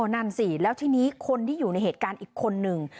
นั่นสิแล้วทีนี้คนที่อยู่ในเหตุการณ์อีกคนนึง